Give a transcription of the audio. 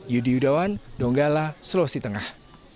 yudi yudawan donggala sulawesi tengah